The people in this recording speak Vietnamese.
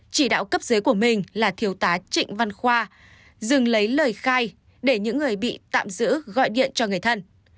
chỉ đạo cấp dưới của mình là thiếu tá trịnh văn khoa dừng lấy lời khai để những người bị tạm giữ gọi điện cho người thân